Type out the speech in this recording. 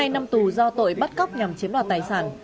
một mươi hai năm tù do tội bắt cóc nhằm chiếm đoạt tài sản